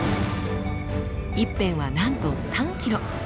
一辺はなんと３ｋｍ。